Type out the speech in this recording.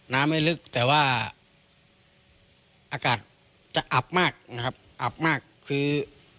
น้ำไม่ลึกแต่ว่าอากาศจะอับมากนะครับอับมากคือ